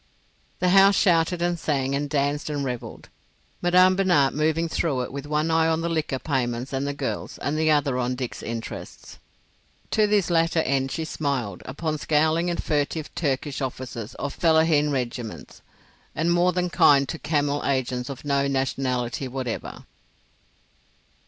The house shouted and sang and danced and revelled, Madame Binat moving through it with one eye on the liquor payments and the girls and the other on Dick's interests. To this latter end she smiled upon scowling and furtive Turkish officers of fellaheen regiments, was gracious to Cypriote commissariat underlings, and more than kind to camel agents of no nationality whatever.